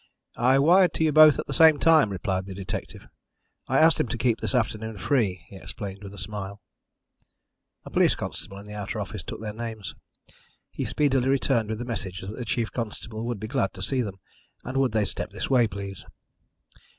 "I wired to you both at the same time," replied the detective. "I asked him to keep this afternoon free," he explained with a smile. A police constable in the outer office took in their names. He speedily returned with the message that the chief constable would be glad to see them, and would they step this way, please.